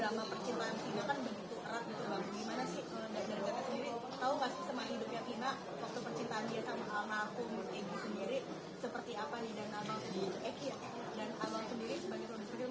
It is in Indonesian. dan almarhum sendiri sebagai produser film